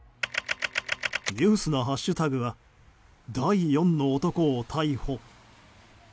ニュースなハッシュタグは「＃第４の男を逮捕」。